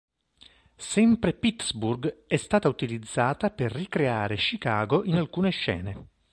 Sempre Pittsburgh è stata utilizzata per ricreare Chicago in alcune scene.